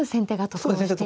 そうですね。